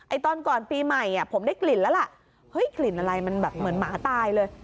ตอนก่อนปีใหม่ผมได้กลิ่นแล้วล่ะเฮ้ยกลิ่นอะไรมันแบบเหมือนหมาตายเลย